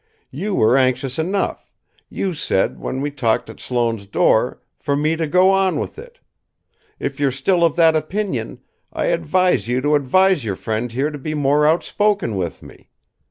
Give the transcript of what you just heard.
You were anxious enough, you said when we talked at Sloane's door, for me to go on with it. If you're still of that opinion, I advise you to advise your friend here to be more outspoken with me.